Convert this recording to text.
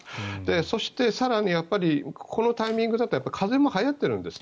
そして、更にこのタイミングだと風邪もはやっているんですね